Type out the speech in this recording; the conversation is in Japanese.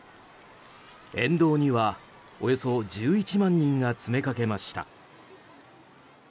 沿道にはおよそ１１万人が詰めかけました。